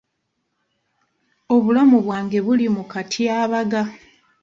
Obulamu bwange buli mu katyabaga.